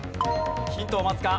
ヒントを待つか？